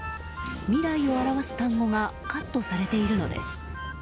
未来を表す単語がカットされているのです。